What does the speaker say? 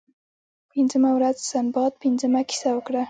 پنځمه ورځ سنباد پنځمه کیسه وکړه.